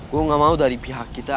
gue gak mau dari pihak kita